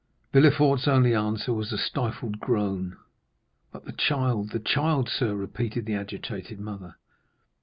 Villefort's only answer was a stifled groan. "But the child—the child, sir?" repeated the agitated mother.